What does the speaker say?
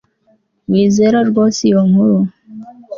wizera rwose iyo nkuru